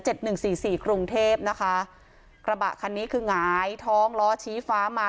หนึ่งสี่สี่กรุงเทพนะคะกระบะคันนี้คือหงายท้องล้อชี้ฟ้ามา